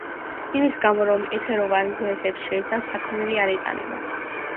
იმის გამო, რომ ეთეროვან ზეთებს შეიცავს, საქონელი არ ეტანება.